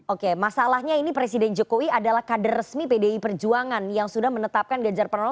oke masalahnya ini presiden jokowi adalah kader resmi pdi perjuangan yang sudah menetapkan ganjar pranowo